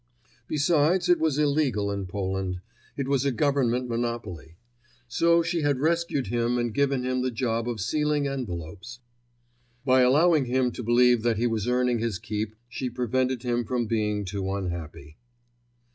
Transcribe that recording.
Besides, it was illegal in Poland; it was a Government monopoly. So she had rescued him and given him the job of sealing; envelopes. By allowing him to believe that he was earning his keep, she prevented him from being too unhappy.